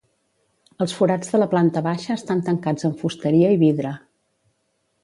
Els forats de la planta baixa estan tancats amb fusteria i vidre.